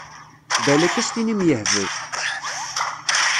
Balak ad s-tinim yehbel.